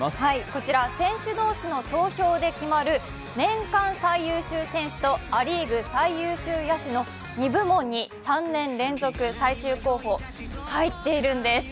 こちら選手同士の投票で決まる年間最優秀選手とア・リーグ最優秀野手の２部門に３年連続最終候補に入っているんです。